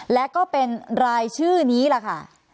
และก็เป็นรายชื่อนี้แหละค่ะ